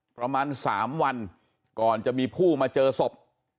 ประมาณ๓วันก่อนจะมีผู้มาเจอศพ